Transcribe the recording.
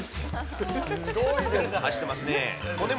走ってますね。